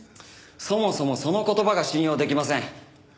そもそもその言葉が信用できません。